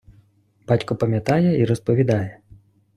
Батько пам’ятає і розповідає.